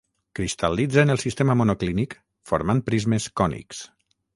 Cristal·litza en el sistema monoclínic formant prismes cònics.